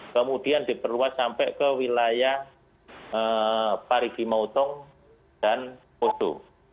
kemudian diperluas sampai ke wilayah parigi mautong dan poso